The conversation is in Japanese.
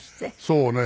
そうね。